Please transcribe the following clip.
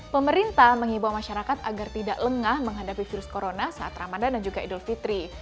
pemerintah menghibur masyarakat agar tidak lengah menghadapi virus corona saat ramadan dan juga idul fitri